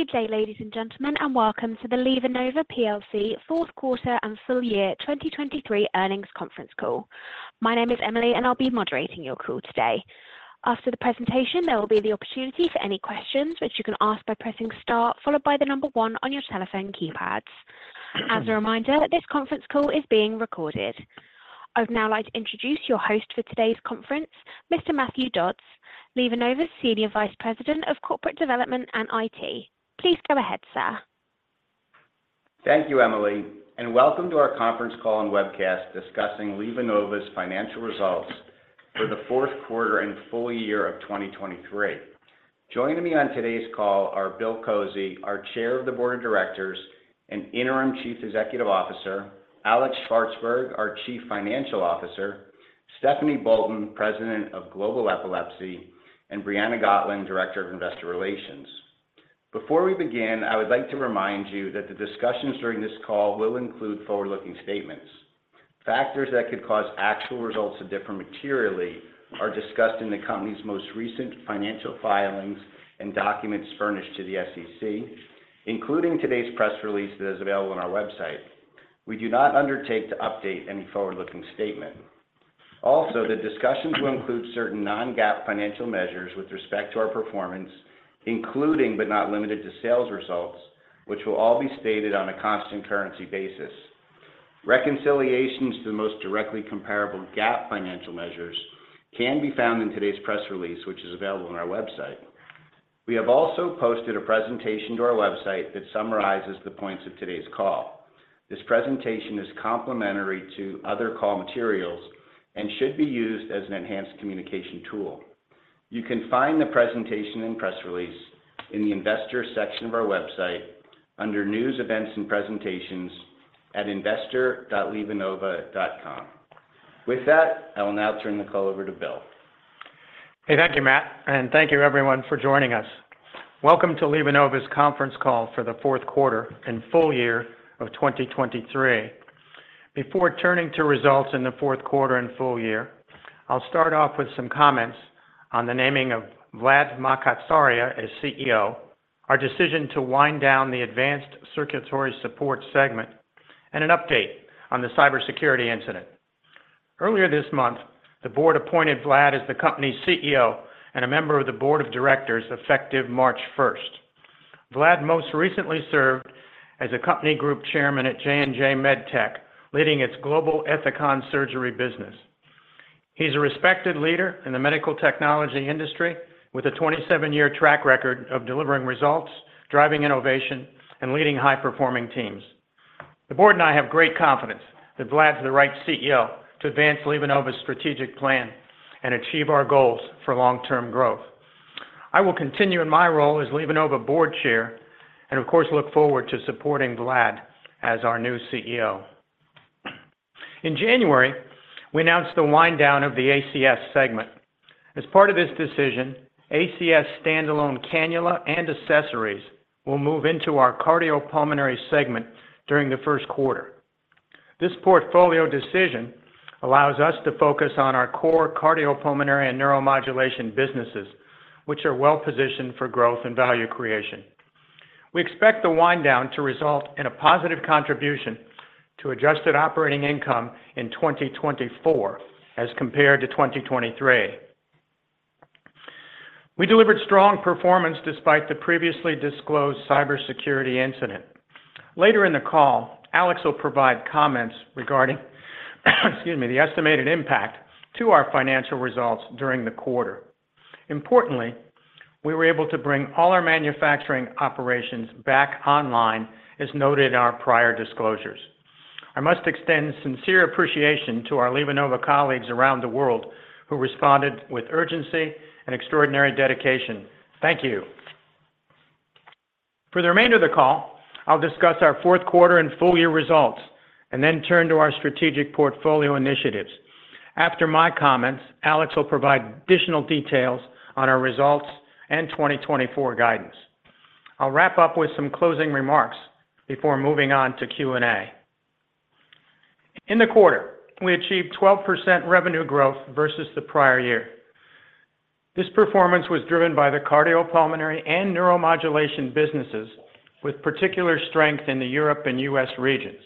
Good day, ladies and gentlemen, and welcome to the LivaNova PLC Fourth Quarter and Full Year 2023 Earnings Conference Call. My name is Emily, and I'll be moderating your call today. After the presentation, there will be the opportunity for any questions, which you can ask by pressing star, followed by the number one on your telephone keypads. As a reminder, this conference call is being recorded. I'd now like to introduce your host for today's conference, Mr. Matthew Dodds, LivaNova's Senior Vice President of Corporate Development and IT. Please go ahead, sir. Thank you, Emily, and welcome to our conference call and webcast discussing LivaNova's financial results for the fourth quarter and full year of 2023. Joining me on today's call are Bill Kozy, our Chair of the Board of Directors and Interim Chief Executive Officer, Alex Shvartsburg, our Chief Financial Officer, Stephanie Bolton, President of Global Epilepsy, and Briana Gotlin, Director of Investor Relations. Before we begin, I would like to remind you that the discussions during this call will include forward-looking statements. Factors that could cause actual results to differ materially are discussed in the company's most recent financial filings and documents furnished to the SEC, including today's press release that is available on our website. We do not undertake to update any forward-looking statement. Also, the discussions will include certain non-GAAP financial measures with respect to our performance, including but not limited to sales results, which will all be stated on a constant currency basis. Reconciliations to the most directly comparable GAAP financial measures can be found in today's press release, which is available on our website. We have also posted a presentation to our website that summarizes the points of today's call. This presentation is complementary to other call materials and should be used as an enhanced communication tool. You can find the presentation and press release in the Investor section of our website under News, Events, and Presentations at investor.livanova.com. With that, I will now turn the call over to Bill. Hey, thank you, Matt, and thank you everyone for joining us. Welcome to LivaNova's Conference Call for the Fourth Quarter and Full Year of 2023. Before turning to results in the fourth quarter and full year, I'll start off with some comments on the naming of Vlad Makatsaria as CEO, our decision to wind down the Advanced Circulatory Support segment, and an update on the cybersecurity incident. Earlier this month, the board appointed Vlad as the company's CEO and a member of the board of directors, effective March first. Vlad most recently served as a company group chairman at J&J MedTech, leading its global Ethicon surgery business. He's a respected leader in the medical technology industry, with a 27-year track record of delivering results, driving innovation, and leading high-performing teams. The board and I have great confidence that Vlad is the right CEO to advance LivaNova's strategic plan and achieve our goals for long-term growth. I will continue in my role as LivaNova board chair and, of course, look forward to supporting Vlad as our new CEO. In January, we announced the wind down of the ACS segment. As part of this decision, ACS standalone cannula and accessories will move into our cardiopulmonary segment during the first quarter. This portfolio decision allows us to focus on our core cardiopulmonary and neuromodulation businesses, which are well positioned for growth and value creation. We expect the wind down to result in a positive contribution to adjusted operating income in 2024 as compared to 2023. We delivered strong performance despite the previously disclosed cybersecurity incident. Later in the call, Alex will provide comments regarding, excuse me, the estimated impact to our financial results during the quarter. Importantly, we were able to bring all our manufacturing operations back online, as noted in our prior disclosures. I must extend sincere appreciation to our LivaNova colleagues around the world who responded with urgency and extraordinary dedication. Thank you. For the remainder of the call, I'll discuss our fourth quarter and full year results and then turn to our strategic portfolio initiatives. After my comments, Alex will provide additional details on our results and 2024 guidance. I'll wrap up with some closing remarks before moving on to Q&A. In the quarter, we achieved 12% revenue growth versus the prior year. This performance was driven by the cardiopulmonary and neuromodulation businesses, with particular strength in the Europe and U.S. regions.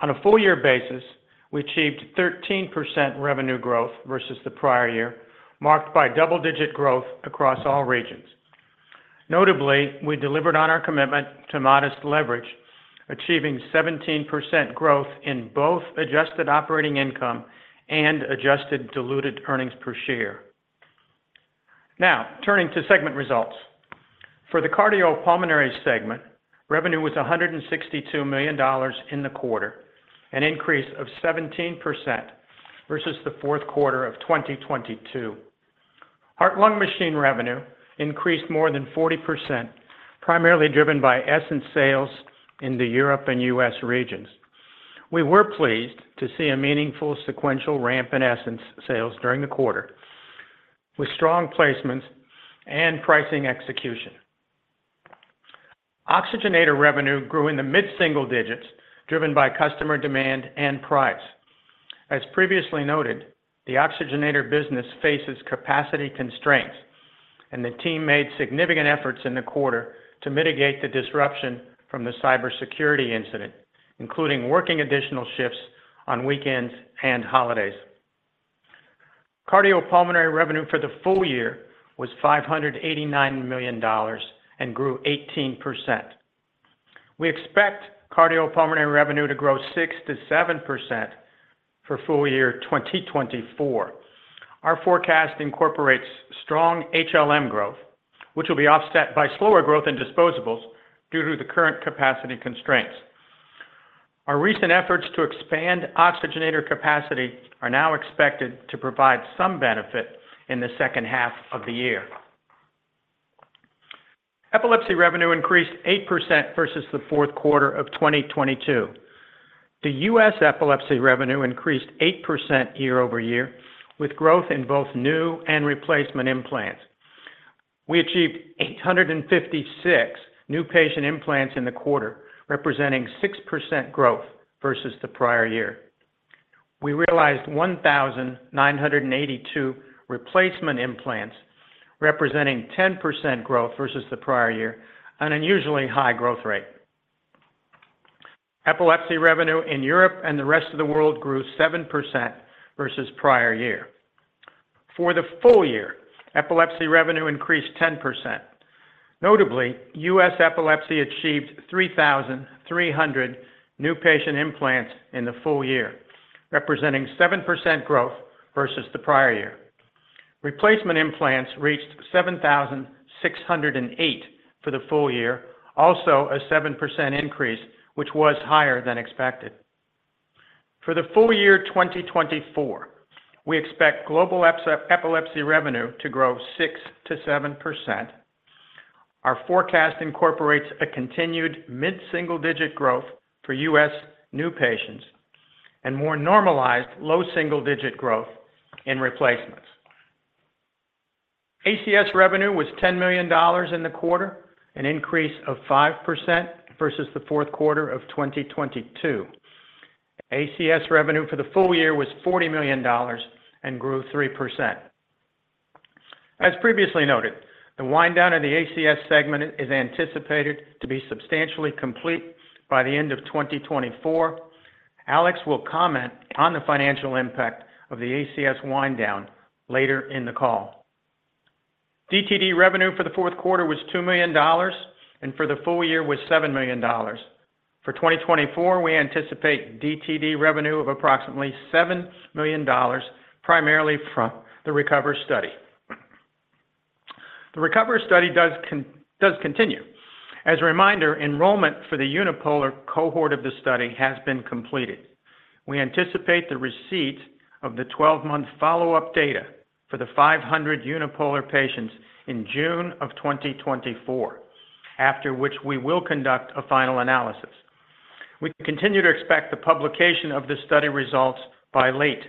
On a full year basis, we achieved 13% revenue growth versus the prior year, marked by double-digit growth across all regions. Notably, we delivered on our commitment to modest leverage, achieving 17% growth in both adjusted operating income and adjusted diluted earnings per share. Now, turning to segment results. For the cardiopulmonary segment, revenue was $162 million in the quarter, an increase of 17% versus the fourth quarter of 2022. Heart-lung machine revenue increased more than 40%, primarily driven by Essenz sales in the Europe and U.S. regions. We were pleased to see a meaningful sequential ramp in Essenz sales during the quarter, with strong placements and pricing execution. Oxygenator revenue grew in the mid-single digits, driven by customer demand and price. As previously noted, the oxygenator business faces capacity constraints, and the team made significant efforts in the quarter to mitigate the disruption from the cybersecurity incident, including working additional shifts on weekends and holidays. Cardiopulmonary revenue for the full year was $589 million and grew 18%. We expect cardiopulmonary revenue to grow 6%-7% for full year 2024. Our forecast incorporates strong HLM growth, which will be offset by slower growth in disposables due to the current capacity constraints. Our recent efforts to expand oxygenator capacity are now expected to provide some benefit in the second half of the year. Epilepsy revenue increased 8% versus the fourth quarter of 2022. The U.S. epilepsy revenue increased 8% year-over-year, with growth in both new and replacement implants. We achieved 856 new patient implants in the quarter, representing 6% growth versus the prior year. We realized 1,982 replacement implants, representing 10% growth versus the prior year, an unusually high growth rate. Epilepsy revenue in Europe and the rest of the world grew 7% versus prior year. For the full year, epilepsy revenue increased 10%. Notably, U.S. epilepsy achieved 3,300 new patient implants in the full year, representing 7% growth versus the prior year. Replacement implants reached 7,608 for the full year, also a 7% increase, which was higher than expected. For the full year 2024, we expect global epilepsy revenue to grow 6%-7%. Our forecast incorporates a continued mid-single-digit growth for U.S. new patients and more normalized low single-digit growth in replacements. ACS revenue was $10 million in the quarter, an increase of 5% versus the fourth quarter of 2022. ACS revenue for the full year was $40 million and grew 3%. As previously noted, the wind down of the ACS segment is anticipated to be substantially complete by the end of 2024. Alex will comment on the financial impact of the ACS wind down later in the call. DTD revenue for the fourth quarter was $2 million, and for the full year was $7 million. For 2024, we anticipate DTD revenue of approximately $7 million, primarily from the RECOVER study. The RECOVER study does continue. As a reminder, enrollment for the unipolar cohort of the study has been completed. We anticipate the receipt of the 12-month follow-up data for the 500 unipolar patients in June 2024, after which we will conduct a final analysis. We continue to expect the publication of the study results by late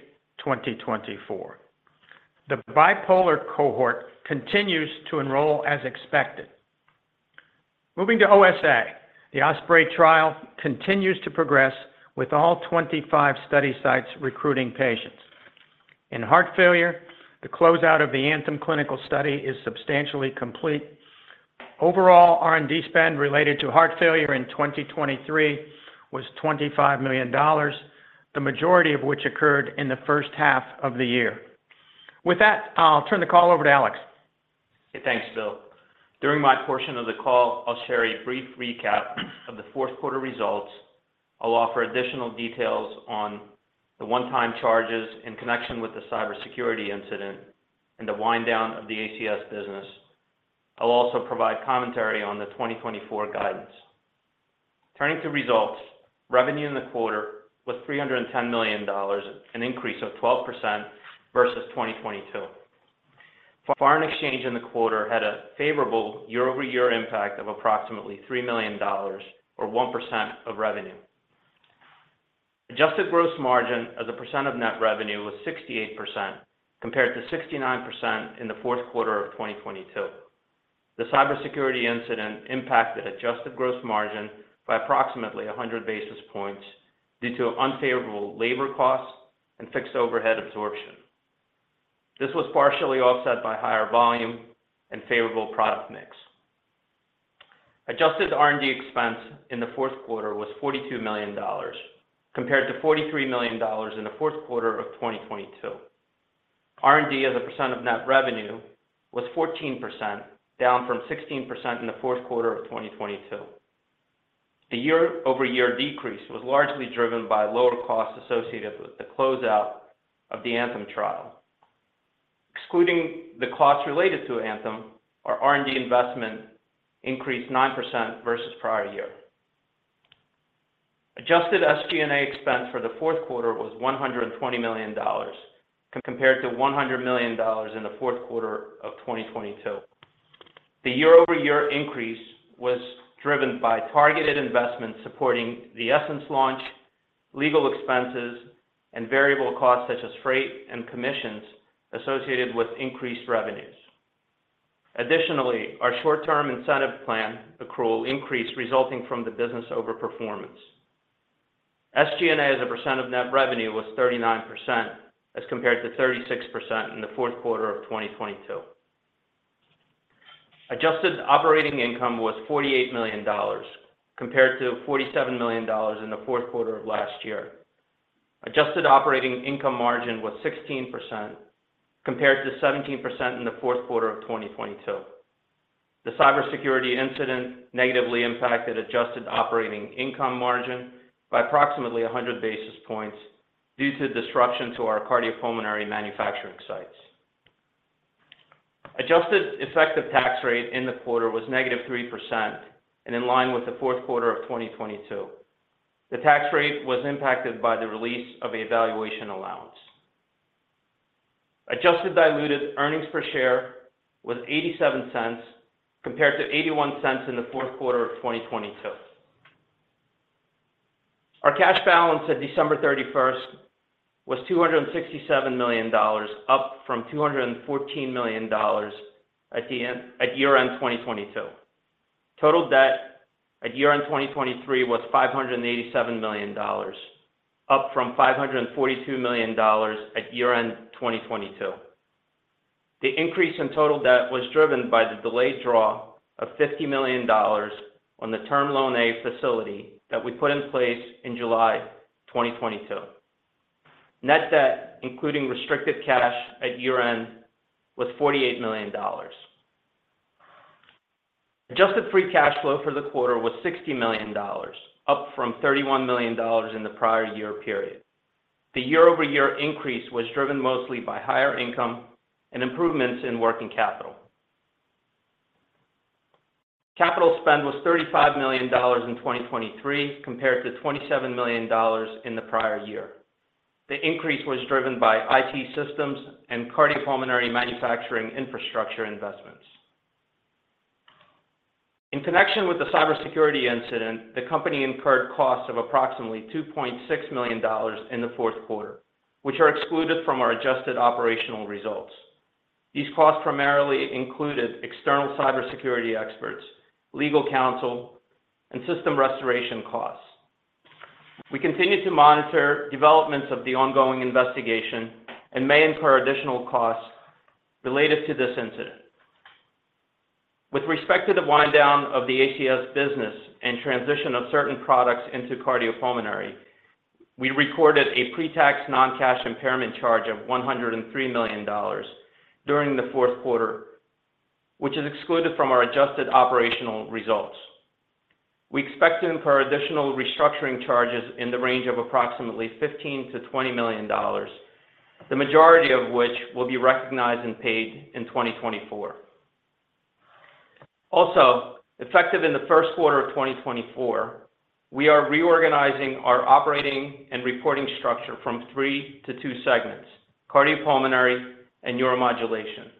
2024. The bipolar cohort continues to enroll as expected. Moving to OSA, the OSPREY trial continues to progress with all 25 study sites recruiting patients. In heart failure, the closeout of the ANTHEM clinical study is substantially complete. Overall, R&D spend related to heart failure in 2023 was $25 million, the majority of which occurred in the first half of the year. With that, I'll turn the call over to Alex. Thanks, Bill. During my portion of the call, I'll share a brief recap of the fourth quarter results. I'll offer additional details on the one-time charges in connection with the cybersecurity incident and the wind down of the ACS business. I'll also provide commentary on the 2024 guidance. Turning to results, revenue in the quarter was $310 million, an increase of 12% versus 2022. Foreign exchange in the quarter had a favorable year-over-year impact of approximately $3 million or 1% of revenue. Adjusted gross margin as a percent of net revenue was 68%, compared to 69% in the fourth quarter of 2022. The cybersecurity incident impacted adjusted gross margin by approximately 100 basis points due to unfavorable labor costs and fixed overhead absorption. This was partially offset by higher volume and favorable product mix. Adjusted R&D expense in the fourth quarter was $42 million, compared to $43 million in the fourth quarter of 2022. R&D, as a percent of net revenue, was 14%, down from 16% in the fourth quarter of 2022. The year-over-year decrease was largely driven by lower costs associated with the closeout of the ANTHEM trial. Excluding the costs related to ANTHEM, our R&D investment increased 9% versus prior year. Adjusted SG&A expense for the fourth quarter was $120 million, compared to $100 million in the fourth quarter of 2022. The year-over-year increase was driven by targeted investments supporting the Essenz launch, legal expenses, and variable costs such as freight and commissions associated with increased revenues. Additionally, our short-term incentive plan accrual increased, resulting from the business overperformance. SG&A as a percent of net revenue was 39%, as compared to 36% in the fourth quarter of 2022. Adjusted operating income was $48 million, compared to $47 million in the fourth quarter of last year. Adjusted operating income margin was 16%, compared to 17% in the fourth quarter of 2022. The cybersecurity incident negatively impacted adjusted operating income margin by approximately 100 basis points due to disruption to our cardiopulmonary manufacturing sites. Adjusted effective tax rate in the quarter was -3%, and in line with the fourth quarter of 2022. The tax rate was impacted by the release of a valuation allowance. Adjusted diluted earnings per share was $0.87, compared to $0.81 in the fourth quarter of 2022. Our cash balance at December 31st was $267 million, up from $214 million at year-end 2022. Total debt at year-end 2023 was $587 million, up from $542 million at year-end 2022. The increase in total debt was driven by the delayed draw of $50 million on the Term Loan A facility that we put in place in July 2022. Net debt, including restricted cash at year-end, was $48 million. Adjusted Free Cash Flow for the quarter was $60 million, up from $31 million in the prior year period. The year-over-year increase was driven mostly by higher income and improvements in working capital. Capital spend was $35 million in 2023, compared to $27 million in the prior year. The increase was driven by IT systems and cardiopulmonary manufacturing infrastructure investments. In connection with the cybersecurity incident, the company incurred costs of approximately $2.6 million in the fourth quarter, which are excluded from our adjusted operational results. These costs primarily included external cybersecurity experts, legal counsel, and system restoration costs. We continue to monitor developments of the ongoing investigation and may incur additional costs related to this incident. With respect to the wind down of the ACS business and transition of certain products into cardiopulmonary, we recorded a pre-tax non-cash impairment charge of $103 million during the fourth quarter, which is excluded from our adjusted operational results. We expect to incur additional restructuring charges in the range of approximately $15-$20 million, the majority of which will be recognized and paid in 2024. Also, effective in the first quarter of 2024, we are reorganizing our operating and reporting structure fromthree to two segments: Cardiopulmonary and Neuromodulation.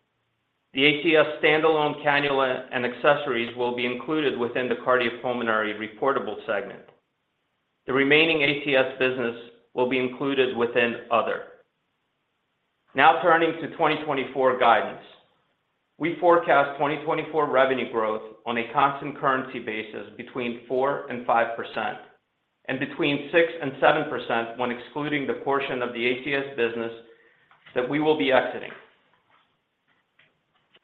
The ACS standalone cannula and accessories will be included within the Cardiopulmonary reportable segment. The remaining ACS business will be included within other. Now turning to 2024 guidance. We forecast 2024 revenue growth on a constant currency basis between 4%-5%, and between 6%-7% when excluding the portion of the ACS business that we will be exiting.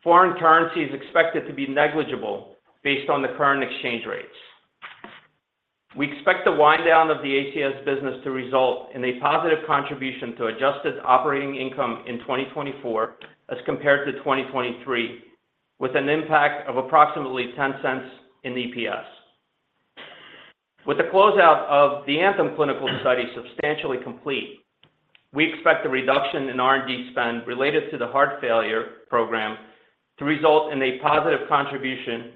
Foreign currency is expected to be negligible based on the current exchange rates. We expect the wind down of the ACS business to result in a positive contribution to adjusted operating income in 2024 as compared to 2023, with an impact of approximately $0.10 in EPS. With the closeout of the ANTHEM clinical study substantially complete, we expect a reduction in R&D spend related to the heart failure program to result in a positive contribution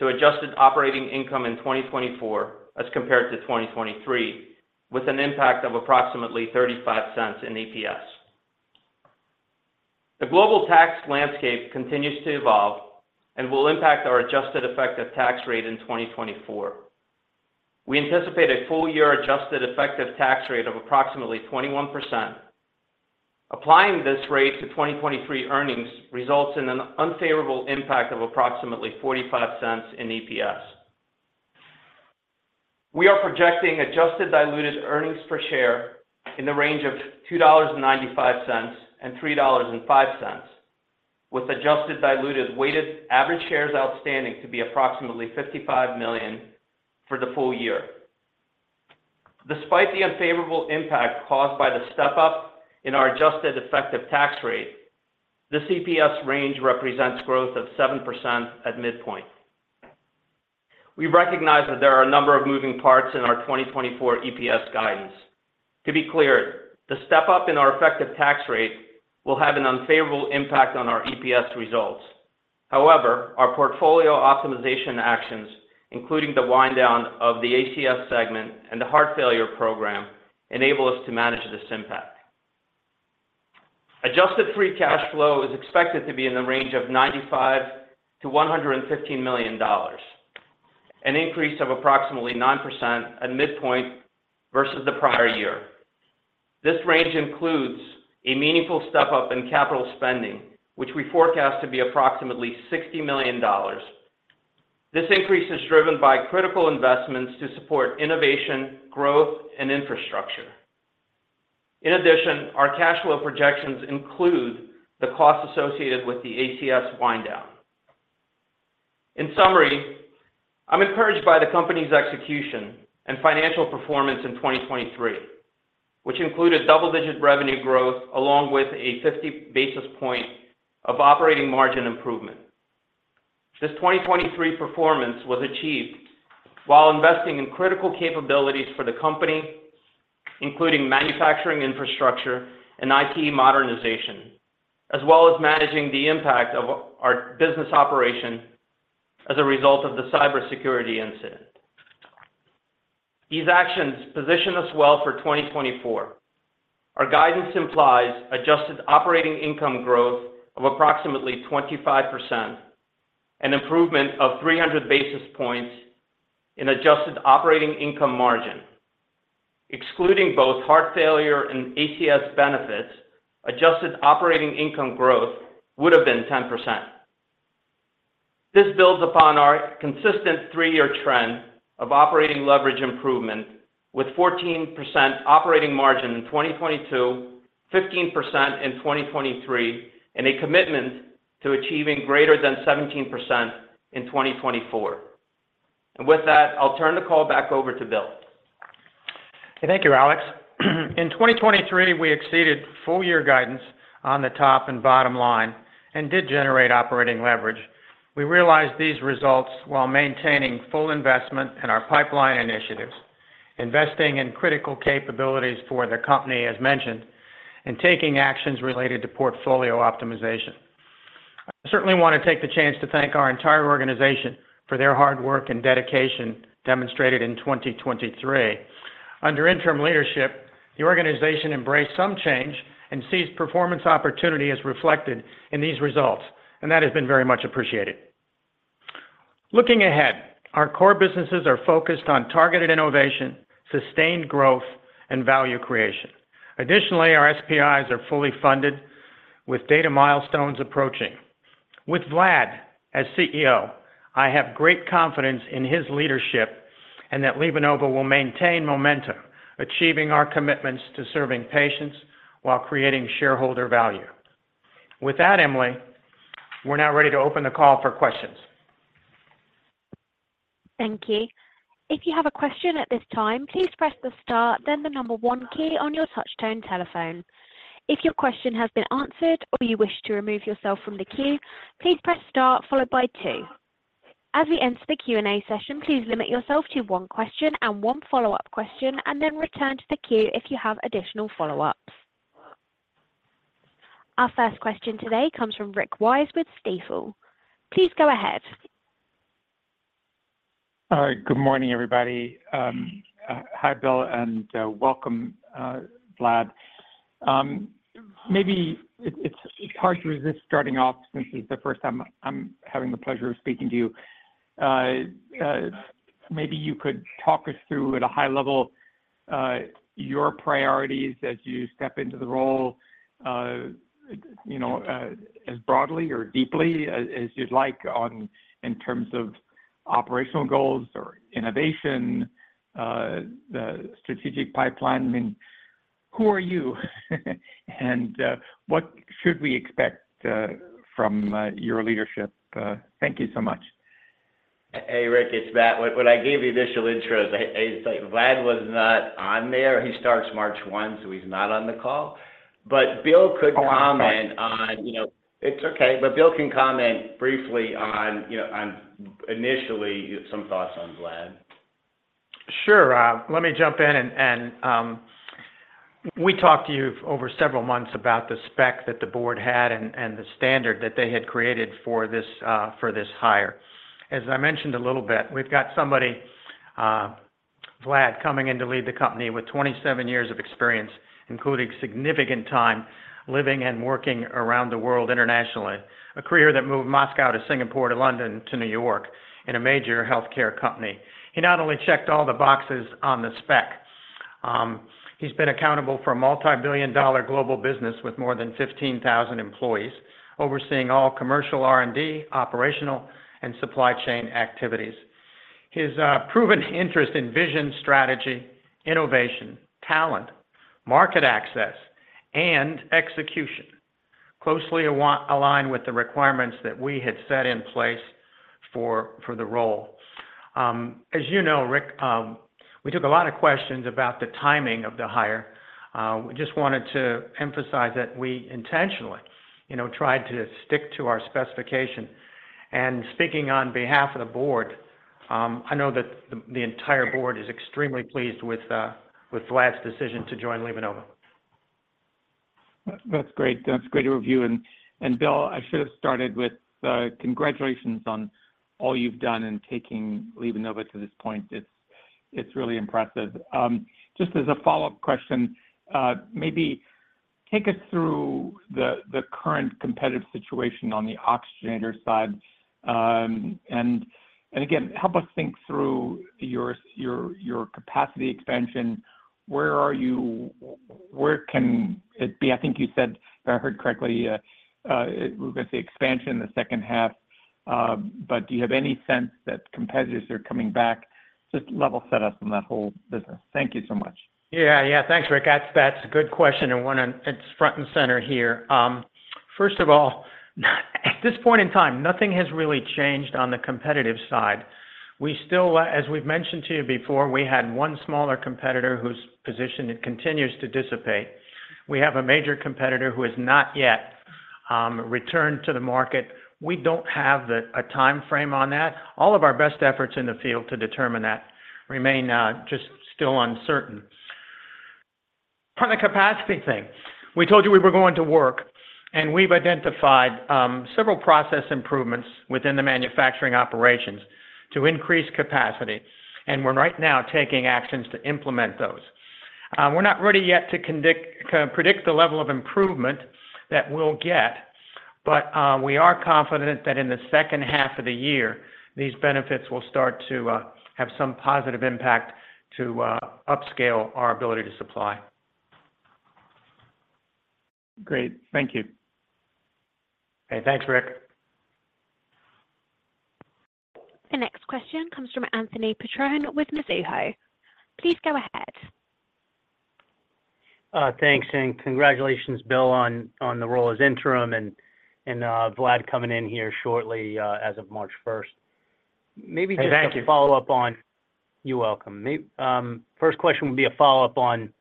to adjusted operating income in 2024 as compared to 2023, with an impact of approximately $0.35 in EPS. The global tax landscape continues to evolve and will impact our adjusted effective tax rate in 2024. We anticipate a full year adjusted effective tax rate of approximately 21%. Applying this rate to 2023 earnings results in an unfavorable impact of approximately $0.45 in EPS. We are projecting adjusted diluted earnings per share in the range of $2.95-$3.05, with adjusted diluted weighted average shares outstanding to be approximately 55 million for the full year. Despite the unfavorable impact caused by the step up in our adjusted effective tax rate, this EPS range represents growth of 7% at midpoint. We recognize that there are a number of moving parts in our 2024 EPS guidance. To be clear, the step up in our effective tax rate will have an unfavorable impact on our EPS results. However, our portfolio optimization actions, including the wind down of the ACS segment and the heart failure program, enable us to manage this impact. Adjusted free cash flow is expected to be in the range of $95 million-$115 million, an increase of approximately 9% at midpoint versus the prior year. This range includes a meaningful step-up in capital spending, which we forecast to be approximately $60 million. This increase is driven by critical investments to support innovation, growth, and infrastructure. In addition, our cash flow projections include the costs associated with the ACS wind down. In summary, I'm encouraged by the company's execution and financial performance in 2023, which included double-digit revenue growth, along with a 50 basis point of operating margin improvement. This 2023 performance was achieved while investing in critical capabilities for the company, including manufacturing infrastructure and IT modernization, as well as managing the impact of our business operation as a result of the cybersecurity incident. These actions position us well for 2024. Our guidance implies adjusted operating income growth of approximately 25%, an improvement of 300 basis points in adjusted operating income margin. Excluding both heart failure and ACS benefits, adjusted operating income growth would have been 10%. This builds upon our consistent three-year trend of operating leverage improvement with 14% operating margin in 2022, 15% in 2023, and a commitment to achieving greater than 17% in 2024. With that, I'll turn the call back over to Bill. Thank you, Alex. In 2023, we exceeded full-year guidance on the top and bottom line and did generate operating leverage. We realized these results while maintaining full investment in our pipeline initiatives, investing in critical capabilities for the company, as mentioned, and taking actions related to portfolio optimization. I certainly want to take the chance to thank our entire organization for their hard work and dedication demonstrated in 2023. Under interim leadership, the organization embraced some change and seized performance opportunity as reflected in these results, and that has been very much appreciated. Looking ahead, our core businesses are focused on targeted innovation, sustained growth, and value creation. Additionally, our SPIs are fully funded with data milestones approaching. With Vlad as CEO, I have great confidence in his leadership and that LivaNova will maintain momentum, achieving our commitments to serving patients while creating shareholder value. With that, Emily, we're now ready to open the call for questions. Thank you. If you have a question at this time, please press the star, then the one key on your touch tone telephone. If your question has been answered or you wish to remove yourself from the queue, please press star followed by two. As we enter the Q&A session, please limit yourself to one question and one follow-up question, and then return to the queue if you have additional follow-ups. Our first question today comes from Rick Wise with Stifel. Please go ahead. Hi, good morning, everybody. Hi, Bill, and welcome, Vlad. Maybe it's hard to resist starting off, since it's the first time I'm having the pleasure of speaking to you. Maybe you could talk us through, at a high level, your priorities as you step into the role, you know, as broadly or deeply as you'd like on—in terms of operational goals or innovation, the strategic pipeline. I mean, who are you? And what should we expect from your leadership? Thank you so much. Hey, Rick, it's Matt. When I gave the initial intros, Vlad was not on there. He starts March 1, so he's not on the call. But Bill could comment- Oh, okay. You know, it's okay. But Bill can comment briefly on, you know, on initially, some thoughts on Vlad. Sure. Let me jump in and we talked to you over several months about the spec that the board had and the standard that they had created for this hire. As I mentioned a little bit, we've got somebody, Vlad, coming in to lead the company with 27 years of experience, including significant time living and working around the world internationally. A career that moved Moscow to Singapore, to London, to New York, in a major healthcare company. He not only checked all the boxes on the spec, he's been accountable for a multi-billion-dollar global business with more than 15,000 employees, overseeing all commercial R&D, operational, and supply chain activities. His proven interest in vision, strategy, innovation, talent, market access, and execution closely align with the requirements that we had set in place for the role. As you know, Rick, we took a lot of questions about the timing of the hire. We just wanted to emphasize that we intentionally, you know, tried to stick to our specification. Speaking on behalf of the board, I know that the entire board is extremely pleased with Vlad's decision to join LivaNova. That's great. That's a great overview. And Bill, I should have started with congratulations on all you've done in taking LivaNova to this point. It's really impressive. Just as a follow-up question, take us through the current competitive situation on the oxygenator side. And again, help us think through your capacity expansion. Where can it be? I think you said, if I heard correctly, we're gonna see expansion in the second half. But do you have any sense that competitors are coming back? Just level set us on that whole business. Thank you so much. Yeah, yeah. Thanks, Rick. That's a good question, and one it's front and center here. First of all, at this point in time, nothing has really changed on the competitive side. We still, as we've mentioned to you before, we had one smaller competitor whose position it continues to dissipate. We have a major competitor who has not yet returned to the market. We don't have a timeframe on that. All of our best efforts in the field to determine that remain just still uncertain. On the capacity thing, we told you we were going to work, and we've identified several process improvements within the manufacturing operations to increase capacity, and we're right now taking actions to implement those. We're not ready yet to predict the level of improvement that we'll get, but we are confident that in the second half of the year, these benefits will start to have some positive impact to upscale our ability to supply. Great. Thank you. Hey, thanks, Rick. The next question comes from Anthony Petrone with Mizuho. Please go ahead. Thanks, and congratulations, Bill, on the role as interim, and Vlad coming in here shortly, as of March first. Maybe- Hey, thank you. Just a follow-up. You're welcome. First question will be a follow-up on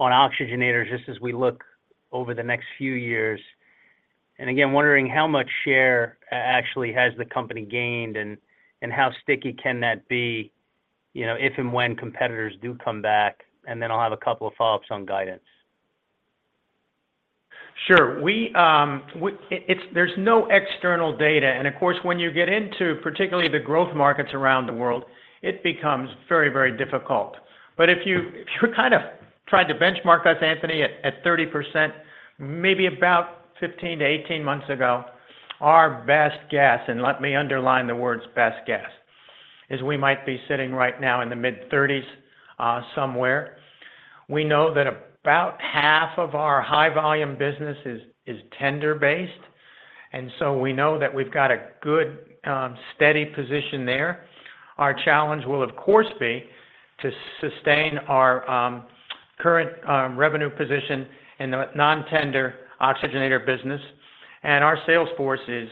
oxygenators, just as we look over the next few years. And again, wondering how much share actually has the company gained and how sticky can that be, you know, if and when competitors do come back, and then I'll have a couple of follow-ups on guidance. Sure. We, it's—there's no external data, and of course, when you get into particularly the growth markets around the world, it becomes very, very difficult. But if you, if you kind of tried to benchmark us, Anthony, at, at 30%, maybe about 15-18 months ago, our best guess, and let me underline the words best guess, is we might be sitting right now in the mid-30s, somewhere. We know that about half of our high volume business is tender-based, and so we know that we've got a good, steady position there. Our challenge will, of course, be to sustain our, current, revenue position in the non-tender oxygenator business, and our sales force is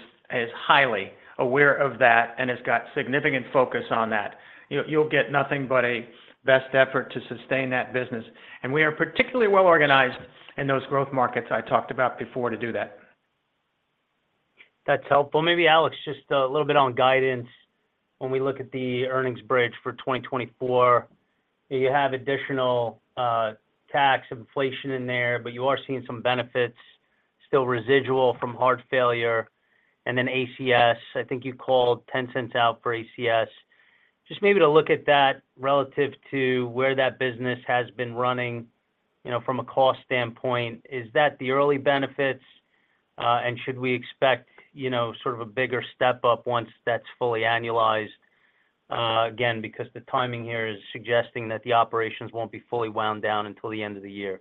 highly aware of that and has got significant focus on that. You, you'll get nothing but a best effort to sustain that business. We are particularly well organized in those growth markets I talked about before to do that. That's helpful. Maybe Alex, just a little bit on guidance. When we look at the earnings bridge for 2024, you have additional tax inflation in there, but you are seeing some benefits still residual from heart failure. And then ACS, I think you called $0.10 out for ACS. Just maybe to look at that relative to where that business has been running, you know, from a cost standpoint, is that the early benefits, and should we expect, you know, sort of a bigger step up once that's fully annualized? Again, because the timing here is suggesting that the operations won't be fully wound down until the end of the year.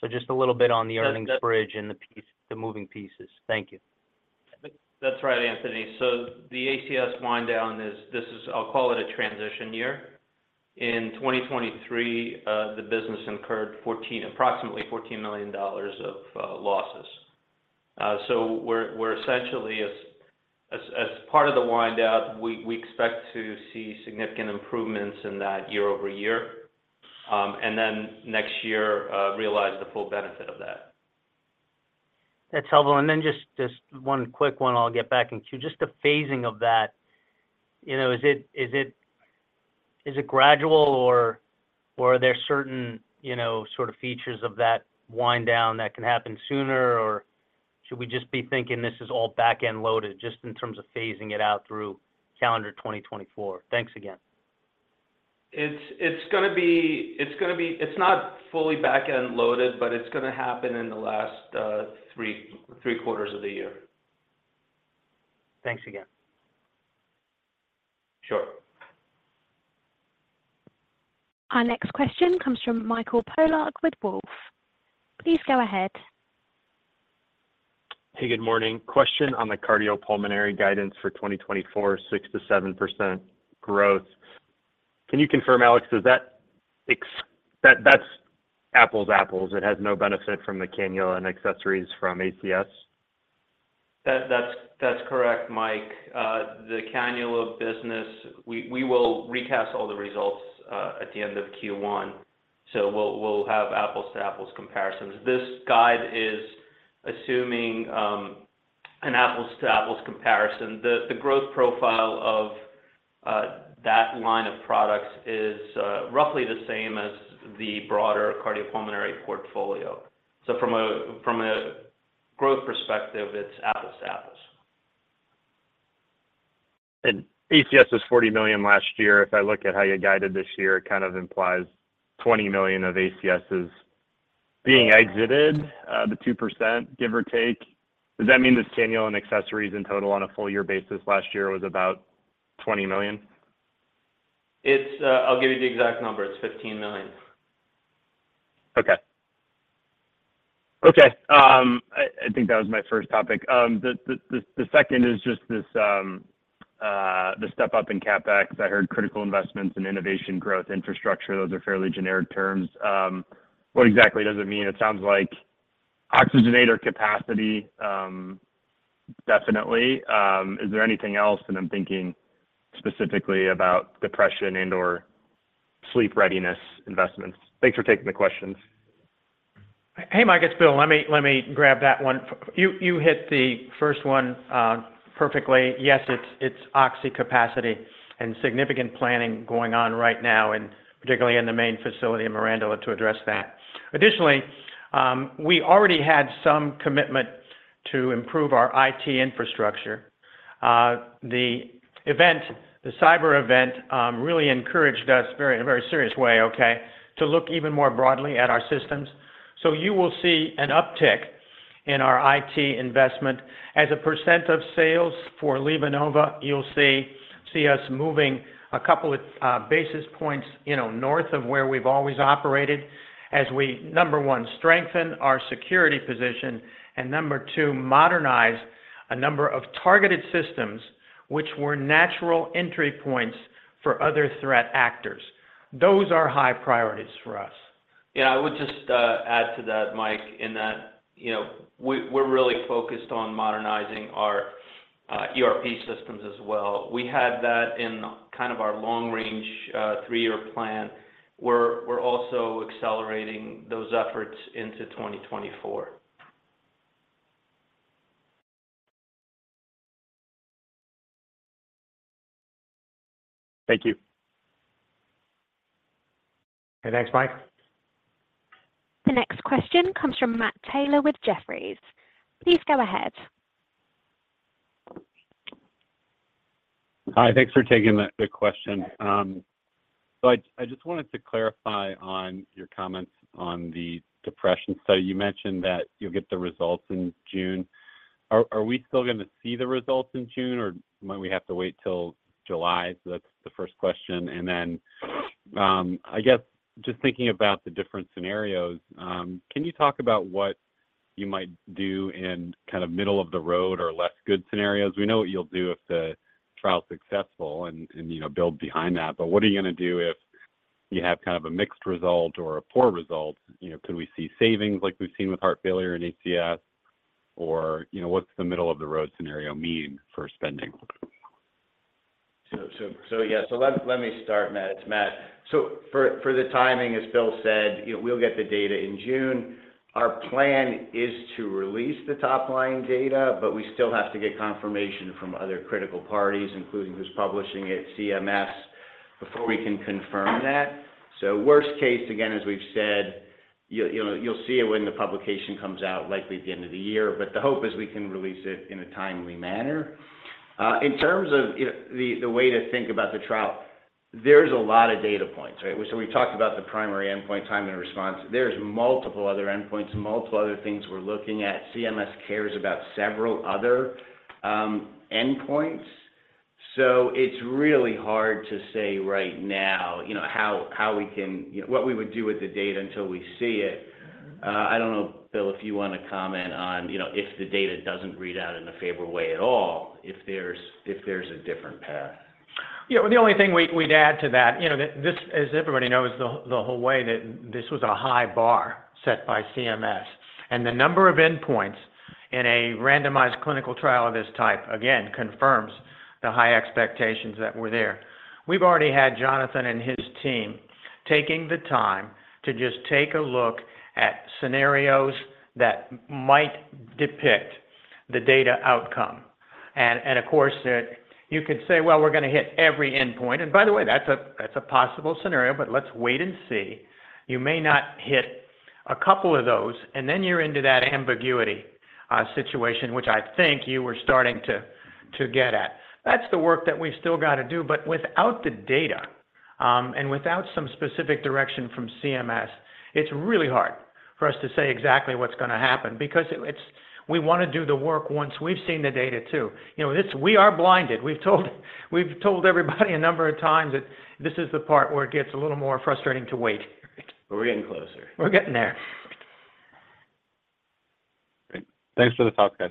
So just a little bit on the earnings bridge and the piece, the moving pieces. Thank you. That's right, Anthony. So the ACS wind down is, this is, I'll call it a transition year. In 2023, the business incurred approximately $14 million of losses. So we're essentially, as part of the wind down, we expect to see significant improvements in that year-over-year. And then next year, realize the full benefit of that. That's helpful. And then just, just one quick one, I'll get back in queue. Just the phasing of that, you know, is it, is it, is it gradual or, or are there certain, you know, sort of features of that wind down that can happen sooner? Or should we just be thinking this is all back-end loaded, just in terms of phasing it out through calendar 2024? Thanks again. It's not fully back-end loaded, but it's gonna happen in the last three quarters of the year. Thanks again. Sure. Our next question comes from Michael Polark with Wolfe. Please go ahead. Hey, good morning. Question on the cardiopulmonary guidance for 2024, 6%-7% growth. Can you confirm, Alex, is that ex- that, that's apples to apples, it has no benefit from the cannula and accessories from ACS? That's correct, Mike. The cannula business, we will recast all the results at the end of Q1, so we'll have apples to apples comparisons. This guide is assuming an apples to apples comparison. The growth profile of that line of products is roughly the same as the broader cardiopulmonary portfolio. So from a growth perspective, it's apples to apples. ACS was $40 million last year. If I look at how you guided this year, it kind of implies $20 million of ACSs being exited, the 2%, give or take. Does that mean the cannula and accessories in total on a full year basis last year was about $20 million? It's, I'll give you the exact number. It's $15 million. Okay. Okay, I think that was my first topic. The second is just this, the step-up in CapEx. I heard critical investments in innovation, growth, infrastructure. Those are fairly generic terms. What exactly does it mean? It sounds like oxygenator capacity, definitely. Is there anything else? And I'm thinking specifically about depression and/or sleep readiness investments. Thanks for taking the questions. Hey, Mike, it's Bill. Let me grab that one. You hit the first one perfectly. Yes, it's oxy capacity and significant planning going on right now, and particularly in the main facility in Mirandola to address that. Additionally, we already had some commitment to improve our IT infrastructure. The event, the cyber event, really encouraged us very seriously to look even more broadly at our systems. So you will see an uptick in our IT investment. As a percent of sales for LivaNova, you'll see us moving a couple of basis points, you know, north of where we've always operated as we, number one, strengthen our security position, and number two, modernize a number of targeted systems which were natural entry points for other threat actors. Those are high priorities for us. Yeah, I would just add to that, Mike, in that, you know, we, we're really focused on modernizing our ERP systems as well. We had that in kind of our long-range three-year plan. We're, we're also accelerating those efforts into 2024. Thank you. Thanks, Mike. The next question comes from Matt Taylor with Jefferies. Please go ahead. Hi, thanks for taking the question. So I just wanted to clarify on your comments on the depression study. You mentioned that you'll get the results in June. Are we still gonna see the results in June, or might we have to wait till July? So that's the first question. And then, I guess, just thinking about the different scenarios, can you talk about what you might do in kind of middle-of-the-road or less good scenarios? We know what you'll do if the trial's successful and you know, build behind that. But what are you gonna do if you have kind of a mixed result or a poor result? You know, could we see savings like we've seen with heart failure in ACS, or you know, what's the middle-of-the-road scenario mean for spending? So yeah, let me start, Matt. It's Matt. So for the timing, as Bill said, you know, we'll get the data in June. Our plan is to release the top-line data, but we still have to get confirmation from other critical parties, including who's publishing it, CMS, before we can confirm that. So worst case, again, as we've said, you know, you'll see it when the publication comes out, likely at the end of the year, but the hope is we can release it in a timely manner. In terms of, you know, the way to think about the trial, there's a lot of data points, right? So we've talked about the primary endpoint, time and response. There's multiple other endpoints, multiple other things we're looking at. CMS cares about several other endpoints. So it's really hard to say right now, you know, how we can. You know, what we would do with the data until we see it. I don't know, Bill, if you want to comment on, you know, if the data doesn't read out in a favorable way at all, if there's a different path. Yeah, the only thing we'd add to that, you know, that this, as everybody knows, the whole way, that this was a high bar set by CMS. And the number of endpoints in a randomized clinical trial of this type, again, confirms the high expectations that were there. We've already had Jonathan and his team taking the time to just take a look at scenarios that might depict the data outcome. And of course, you could say, well, we're gonna hit every endpoint. And by the way, that's a possible scenario, but let's wait and see. You may not hit a couple of those, and then you're into that ambiguity situation, which I think you were starting to get at. That's the work that we've still got to do. But without the data, and without some specific direction from CMS, it's really hard for us to say exactly what's gonna happen because it's, we wanna do the work once we've seen the data, too. You know, it's, we are blinded. We've told everybody a number of times that this is the part where it gets a little more frustrating to wait. We're getting closer. We're getting there. Great. Thanks for the talk, guys.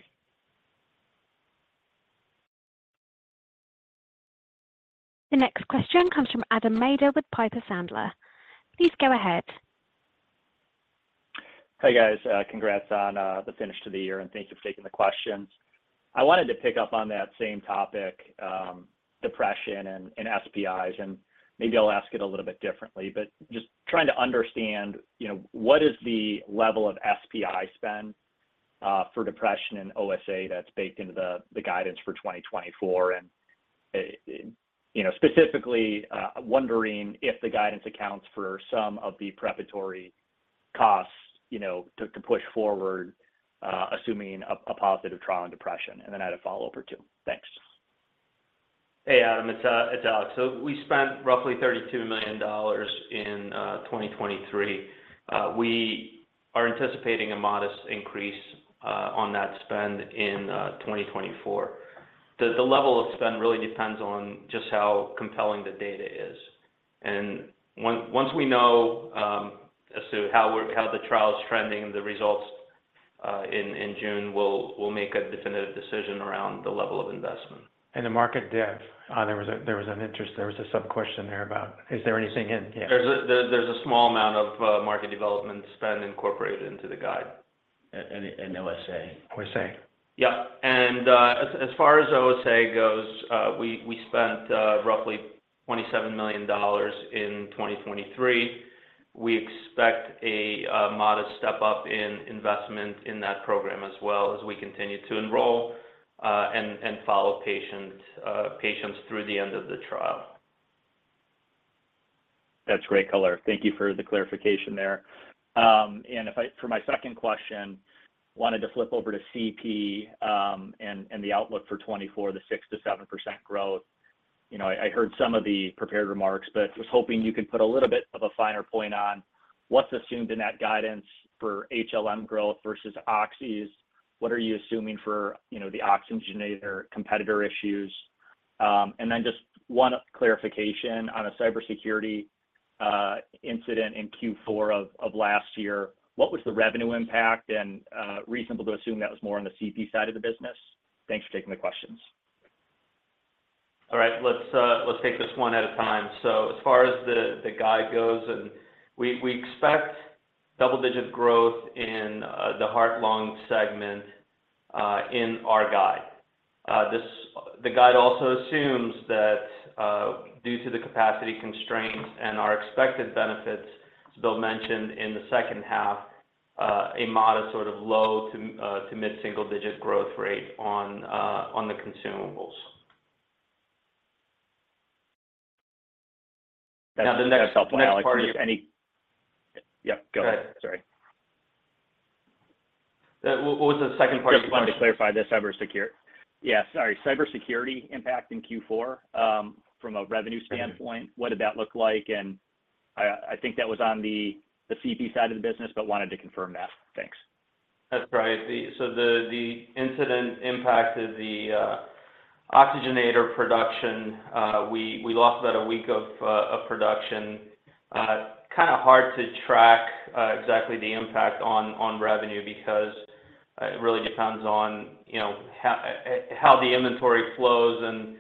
The next question comes from Adam Maeder with Piper Sandler. Please go ahead. Hi, guys. Congrats on the finish to the year, and thanks for taking the questions. I wanted to pick up on that same topic, depression and SPIs, and maybe I'll ask it a little bit differently. But just trying to understand, you know, what is the level of SPI spend for depression in OSA that's baked into the guidance for 2024? And, you know, specifically, wondering if the guidance accounts for some of the preparatory costs, you know, to push forward, assuming a positive trial on depression? And then I had a follow-up or two. Thanks. Hey, Adam, it's Alex. So we spent roughly $32 million in 2023. We are anticipating a modest increase on that spend in 2024. The level of spend really depends on just how compelling the data is. And once we know as to how the trial is trending, the results in June, we'll make a definitive decision around the level of investment. The market dev, there was an interest—there was a sub-question there about, is there anything in yet? There's a small amount of market development spend incorporated into the guide. And OSA. OSA. Yeah. And, as far as OSA goes, we spent roughly $27 million in 2023. We expect a modest step-up in investment in that program as well, as we continue to enroll and follow patients through the end of the trial. That's great, color. Thank you for the clarification there. If I, for my second question, wanted to flip over to CP, and the outlook for 2024, the 6%-7% growth. You know, I heard some of the prepared remarks, but just hoping you could put a little bit of a finer point on what's assumed in that guidance for HLM growth versus Oxys. What are you assuming for, you know, the oxygenator competitor issues? Then just one clarification on a cybersecurity incident in Q4 of last year. What was the revenue impact, and reasonable to assume that was more on the CP side of the business? Thanks for taking the questions. All right, let's, let's take this one at a time. So as far as the guide goes, and we expect double-digit growth in the heart-lung segment in our guide. The guide also assumes that, due to the capacity constraints and our expected benefits, as Bill mentioned in the second half, a modest sort of low to mid-single-digit growth rate on the consumables. Now, the next- That's helpful, Alex. The next part is. Yeah, go ahead. Go ahead. Sorry. What was the second part of your question? Just wanted to clarify the cybersecurity impact in Q4, yeah, sorry, from a revenue standpoint, what did that look like? And I think that was on the CP side of the business, but wanted to confirm that. Thanks. That's right. So the incident impacted the oxygenator production. We lost about a week of production. Kinda hard to track exactly the impact on revenue because it really depends on, you know, how the inventory flows and,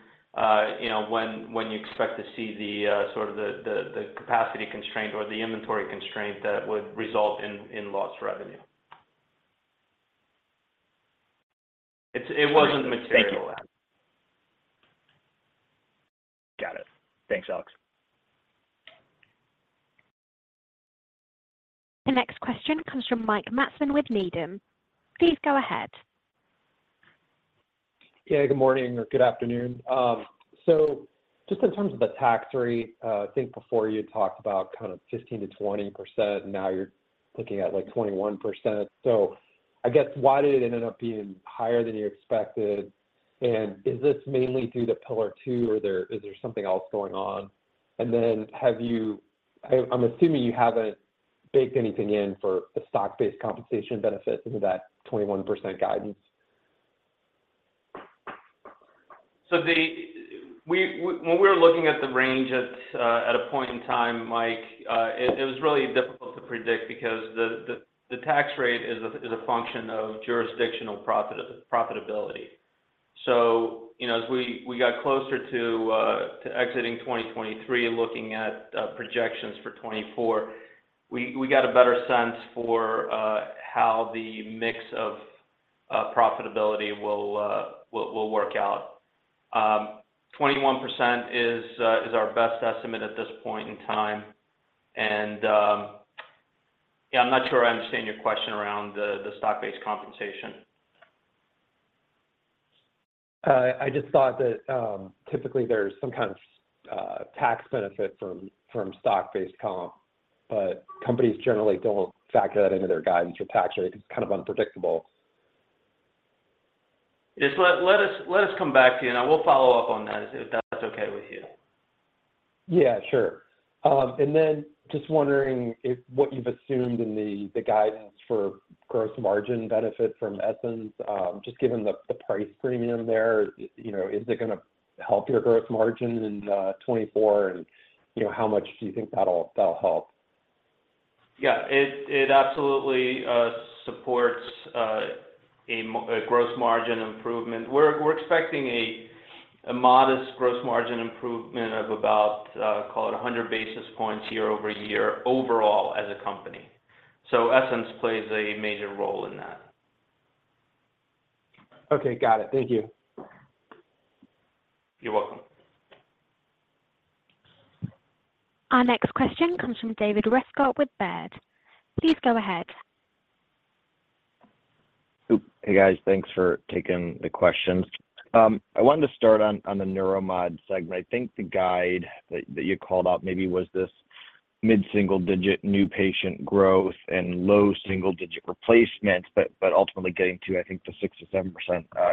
you know, when you expect to see the sort of the capacity constraint or the inventory constraint that it would result in lost revenue. It wasn't material. Thank you. Got it. Thanks, Alex. The next question comes from Mike Matson with Needham. Please go ahead. Yeah, good morning or good afternoon. So just in terms of the tax rate, I think before you talked about kind of 15%-20%, now you're looking at, like, 21%. So I guess, why did it end up being higher than you expected? And is this mainly due to Pillar Two, or is there something else going on? And then, I’m assuming you haven’t baked anything in for the stock-based compensation benefit into that 21% guidance. So, when we're looking at the range at a point in time, Mike, it was really difficult to predict because the tax rate is a function of jurisdictional profitability. So, you know, as we got closer to exiting 2023 and looking at projections for 2024, we got a better sense for how the mix of profitability will work out. 21% is our best estimate at this point in time. And, yeah, I'm not sure I understand your question around the stock-based compensation. I just thought that, typically there's some kind of, tax benefit from, from stock-based comp, but companies generally don't factor that into their guidance or tax rate. It's kind of unpredictable. Just let us come back to you, and I will follow up on that, if that's okay with you? Yeah, sure. And then just wondering if what you've assumed in the guidance for gross margin benefit from Essenz, just given the price premium there, you know, is it gonna help your gross margin in 2024? And, you know, how much do you think that'll help? Yeah, it absolutely supports a gross margin improvement. We're expecting a modest gross margin improvement of about, call it 100 basis points year-over-year, overall as a company. So Essenz plays a major role in that. Okay, got it. Thank you. You're welcome. Our next question comes from David Rescott with Baird. Please go ahead. Hey, guys. Thanks for taking the questions. I wanted to start on the Neuromodulation segment. I think the guide that you called out maybe was this mid-single digit new patient growth and low single digit replacement, but ultimately getting to, I think, the 6%-7%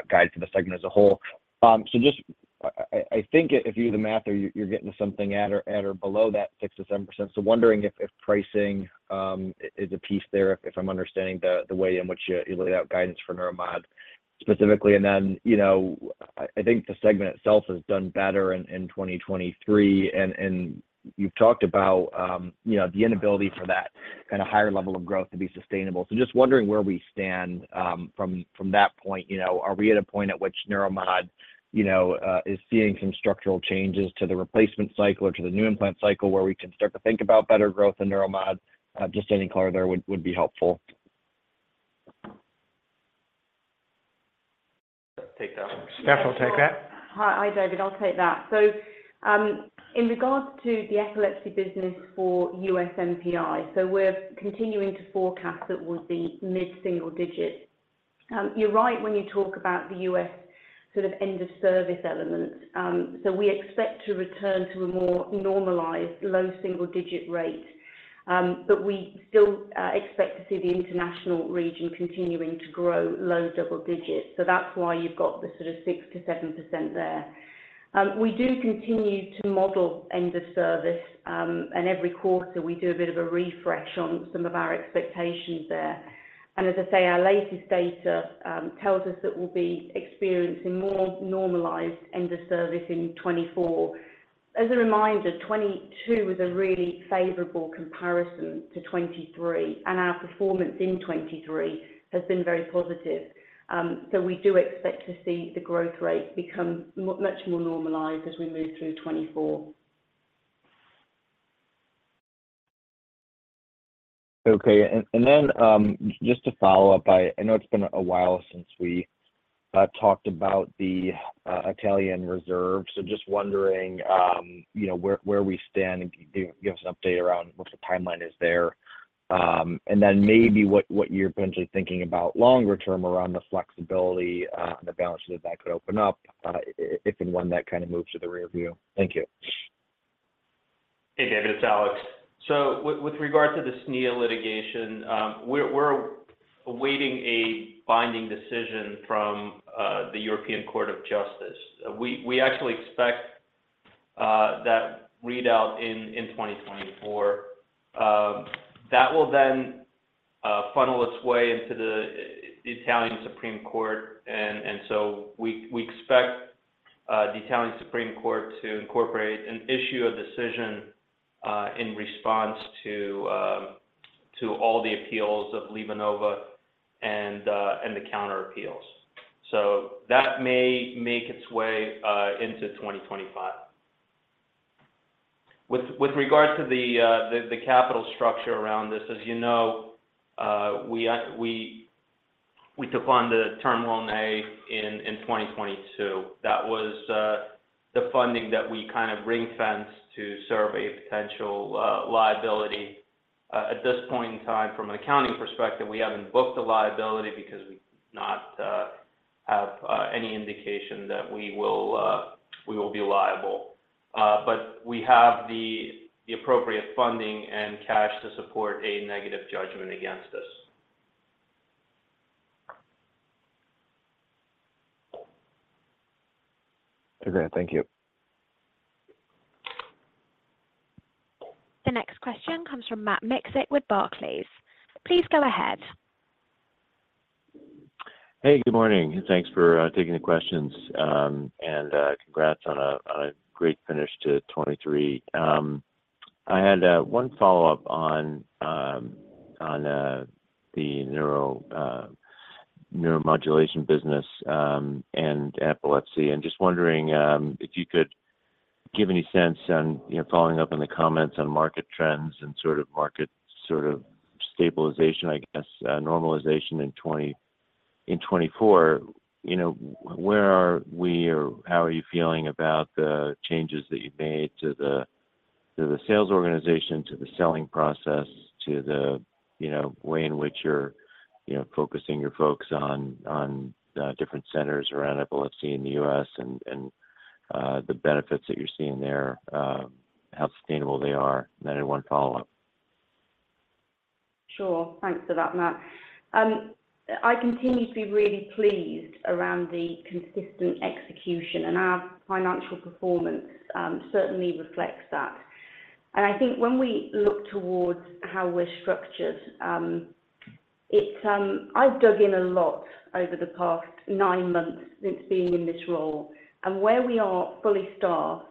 guide for the segment as a whole. So just I think if you do the math, you're getting to something at or below that 6%-7%. So wondering if pricing is a piece there, if I'm understanding the way in which you laid out guidance for Neuromodulation specifically. And then, you know, I think the segment itself has done better in 2023, and you've talked about, you know, the inability for that kind of higher level of growth to be sustainable. So just wondering where we stand, from that point, you know? Are we at a point at which Neuromod, you know, is seeing some structural changes to the replacement cycle or to the new implant cycle, where we can start to think about better growth in Neuromod? Just any color there would be helpful. Take that. Steph will take that. Hi, David. I'll take that. So, in regards to the epilepsy business for U.S. NPI, so we're continuing to forecast that we'll be mid-single digit. You're right when you talk about the U.S. sort of end-of-service elements. So we expect to return to a more normalized low single-digit rate. But we still expect to see the international region continuing to grow low double-digits, so that's why you've got the sort of 6%-7% there. We do continue to model end of service, and every quarter, we do a bit of a refresh on some of our expectations there. And as I say, our latest data tells us that we'll be experiencing more normalized end of service in 2024. As a reminder, 2022 was a really favorable comparison to 2023, and our performance in 2023 has been very positive. So we do expect to see the growth rate become much more normalized as we move through 2024. Okay. Just to follow up, I know it's been a while since we talked about the Italian reserve, so just wondering, you know, where we stand, and can you give us an update around what the timeline is there? And then maybe what you're potentially thinking about longer term around the flexibility and the balances that could open up if and when that kind of moves to the rear view. Thank you. Hey, David, it's Alex. So with regard to the SNIA litigation, we're awaiting a binding decision from the European Court of Justice. We actually expect that readout in 2024. That will then funnel its way into the Italian Supreme Court, and so we expect the Italian Supreme Court to incorporate and issue a decision in response to all the appeals of LivaNova and the counter appeals. So that may make its way into 2025. With regards to the capital structure around this, as you know, we took on the Term Loan A in 2022. That was the funding that we kind of ring-fenced to serve a potential liability. At this point in time, from an accounting perspective, we haven't booked a liability because we do not have any indication that we will be liable. But we have the appropriate funding and cash to support a negative judgment against us. Okay, thank you. The next question comes from Matt Miksic with Barclays. Please go ahead. Hey, good morning, and thanks for taking the questions, and congrats on a great finish to 2023. I had one follow-up on the neuro neuromodulation business, and epilepsy. I'm just wondering if you could give any sense on, you know, following up on the comments on market trends and sort of market sort of stabilization, I guess, normalization in twenty-- in 2024. You know, where are we or how are you feeling about the changes that you've made to the sales organization, to the selling process, to the way in which you're focusing your folks on different centers around epilepsy in the U.S. and the benefits that you're seeing there, how sustainable they are? And then one follow-up. Sure. Thanks for that, Matt. I continue to be really pleased around the consistent execution, and our financial performance certainly reflects that. I think when we look towards how we're structured, it's, I've dug in a lot over the past nine months since being in this role, and where we are fully staffed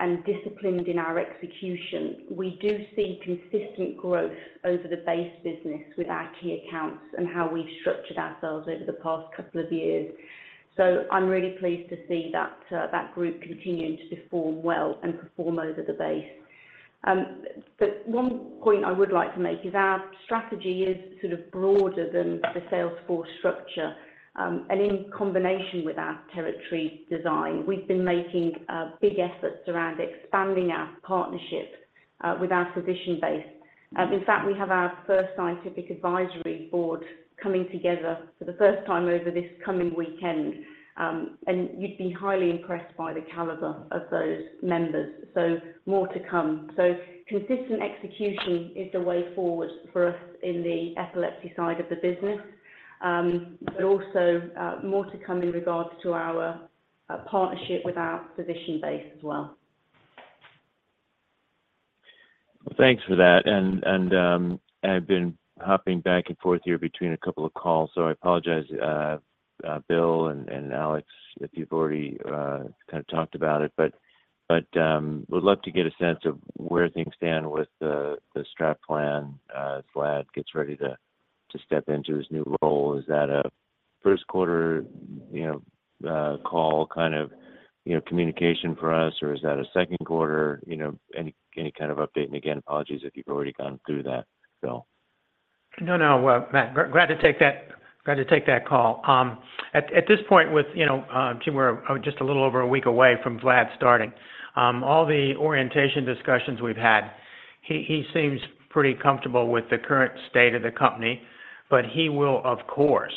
and disciplined in our execution, we do see consistent growth over the base business with our key accounts and how we've structured ourselves over the past couple of years. So I'm really pleased to see that, that group continuing to perform well and perform over the base. But one point I would like to make is our strategy is sort of broader than the salesforce structure, and in combination with our territory design, we've been making big efforts around expanding our partnership with our physician base. In fact, we have our first scientific advisory board coming together for the first time over this coming weekend. And you'd be highly impressed by the caliber of those members. So more to come. So consistent execution is the way forward for us in the epilepsy side of the business. But also, more to come in regards to our partnership with our physician base as well. Thanks for that. I've been hopping back and forth here between a couple of calls, so I apologize, Bill and Alex, if you've already kind of talked about it. But would love to get a sense of where things stand with the strat plan as Vlad gets ready to step into his new role. Is that a first quarter, you know, call kind of communication for us, or is that a second quarter, you know, any kind of update? Again, apologies if you've already gone through that, so. No, no, Matt, glad to take that call. At this point, with you know, Jim, we're just a little over a week away from Vlad starting. All the orientation discussions we've had, he seems pretty comfortable with the current state of the company, but he will, of course,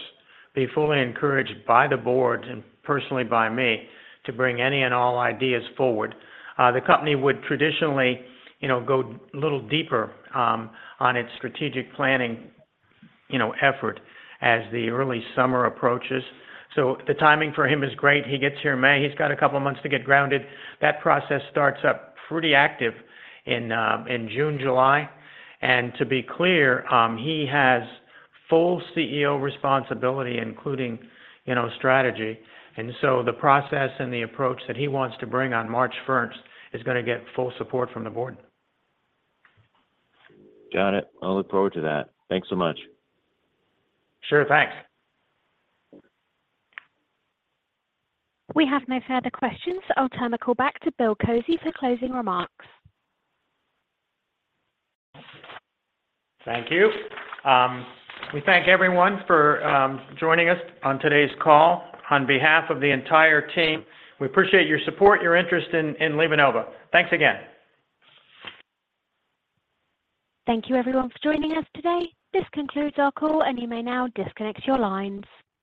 be fully encouraged by the board and personally by me to bring any and all ideas forward. The company would traditionally, you know, go a little deeper on its strategic planning, you know, effort as the early summer approaches. So the timing for him is great. He gets here in May. He's got a couple of months to get grounded. That process starts up pretty active in June, July. And to be clear, he has full CEO responsibility, including, you know, strategy. And so the process and the approach that he wants to bring on March first is gonna get full support from the board. Got it. I'll look forward to that. Thanks so much. Sure. Thanks. We have no further questions. I'll turn the call back to Bill Kozy for closing remarks. Thank you. We thank everyone for joining us on today's call. On behalf of the entire team, we appreciate your support, your interest in LivaNova. Thanks again. Thank you everyone for joining us today. This concludes our call, and you may now disconnect your lines.